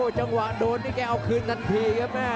จังหวะโดนนี่แกเอาคืนทันทีครับแม่